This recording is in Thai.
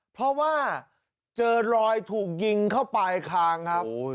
เพราะว่าเจอรอยถูกยิงเข้าปลายคางครับ